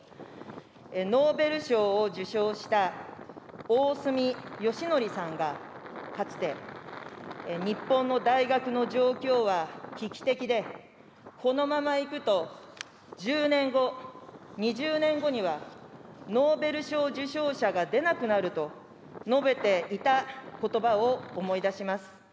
ノーベル賞を受賞した大隅良典さんが、かつて、日本の大学の状況は危機的で、このままいくと１０年後、２０年後には、ノーベル賞受賞者が出なくなると述べていたことばを思い出します。